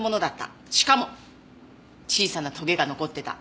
しかも小さなとげが残ってた。